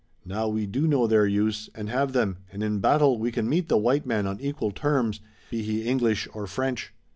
Now we do know their use and have them, and in battle we can meet the white man on equal terms, be he English or French.